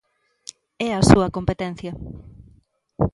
É a súa competencia.